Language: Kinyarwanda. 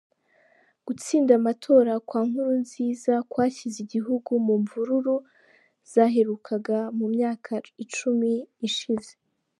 Gutsinda amatora kwa Nkurunziza kwashyize igihugu mu mvururu zaherukaga mu myaka icumi ishize.